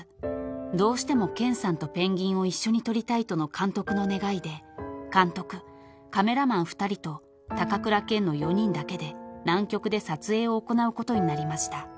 どうしても健さんとペンギンを一緒に撮りたいとの監督の願いで監督カメラマン２人と高倉健の４人だけで南極で撮影を行うことになりました］